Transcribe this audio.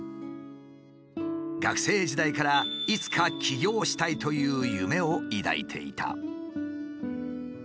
学生時代からいつか起業したいという夢を抱いていた。